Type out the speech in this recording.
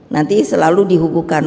nanti selalu dihubungkan